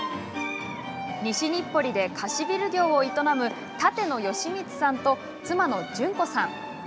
西日暮里で貸しビル業を営む舘野義三さんと、妻の順子さん。